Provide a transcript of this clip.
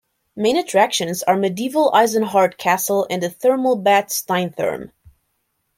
Main attractions are medieval Eisenhardt castle and the thermal bath SteinTherme.